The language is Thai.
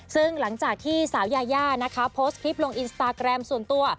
ซึ่งหลังจากที่สาวยายานะคะโพสต์คลิปลงอินสตาแกรมส่วนตัว